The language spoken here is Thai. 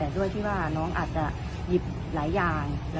แล้วเตือนเด็กว่าอย่างไร